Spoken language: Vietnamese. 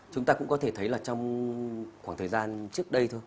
chúng ta cũng có thể thấy là trong khoảng thời gian trước đây thôi